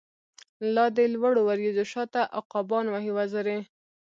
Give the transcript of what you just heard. لا د لوړو وریځو شا ته، عقابان وهی وزری